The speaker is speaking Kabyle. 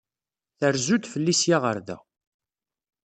Trezzu-d fell-i seg-a ɣer da.